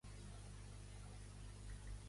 Quan és més magnífic?